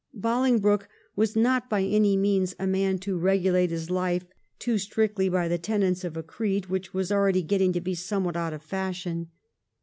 Bolingbroke was not by any means a man to regulate his life too strictly by the tenets of a creed which was already getting to be somewhat out of fashion.